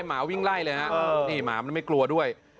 หมาวิ่งไล่เลยฮะนี่หมามันไม่กลัวด้วย